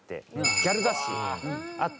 ギャル雑誌あって。